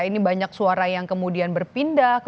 ini banyak suara yang kemudian berpindah